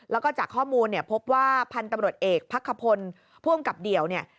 แล้วก็จากข้อมูลพบว่าพันตำรวจเอกพักคพลพ่วงกับเดี่ยว